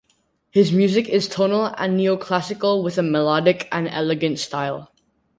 His music is tonal and neo-classical with a melodic and elegant style.